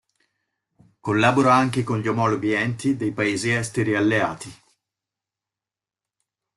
Collabora anche con gli omologhi enti dei paesi esteri alleati.